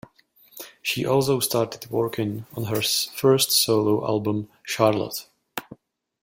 She also started working on her first solo album, "Charlotte".